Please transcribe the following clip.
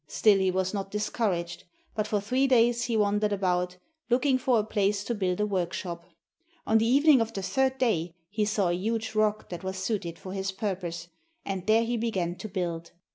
Still he was not discouraged, but for three days he wandered about, looking for a place to build a workshop. On the evening of the third day he saw a huge rock that was suited for his purpose, and there he began to build.